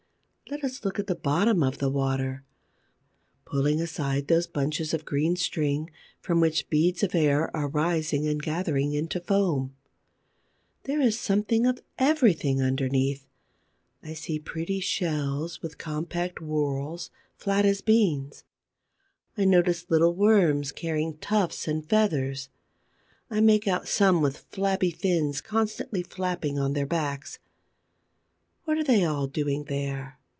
Let us look at the bottom of the water, pulling aside those bunches of green string from which beads of air are rising and gathering into foam. There is something of everything underneath. I see pretty shells with compact whorls, flat as beans; I notice little worms carrying tufts and feathers; I make out some with flabby fins constantly flapping on their backs. What are they all doing there?